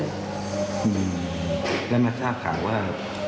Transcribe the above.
อืมแล้วมาทราบข่าวว่า